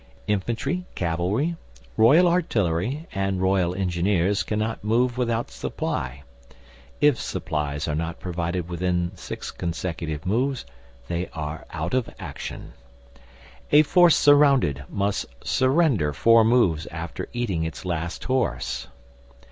Infantry, cavalry, R.A., and R.E. cannot move without supply if supplies are not provided within six consecutive moves, they are out of action. A force surrounded must surrender four moves after eating its last horse.